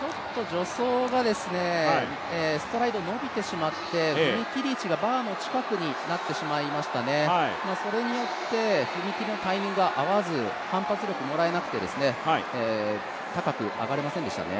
助走がストライド伸びてしまって踏み切り位置がバーの近くになってしまいましたね、それによって踏み切りのタイミングが合わず、反発力がもらえずに高く上がれませんでしたね。